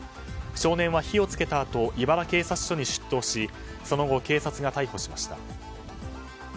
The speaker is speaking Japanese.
少年は火をつけたあと井原警察署に出頭しその後、警察が逮捕しました。